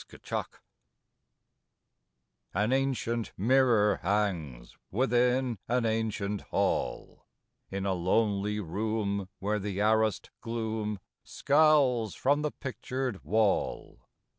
THE MIRROR An ancient mirror hangs Within an ancient Hall; In a lonely room where th' arrased gloom Scowls from the pictured wall.